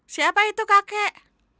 siapa itu kakek